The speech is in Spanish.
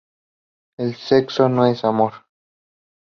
El sexo no es amor.